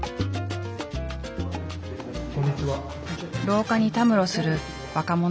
廊下にたむろする若者がいた。